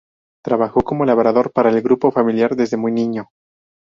Trabajó como labrador para el grupo familiar desde muy niño.